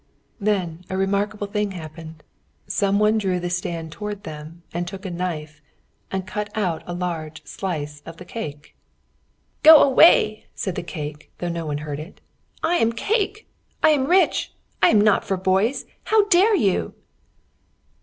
Then a remarkable thing happened. Some one drew the stand toward them and took the knife and cut out a large slice of the cake. "Go away," said the cake, though no one heard it. "I am cake! I am rich! I am not for boys! How dare you?"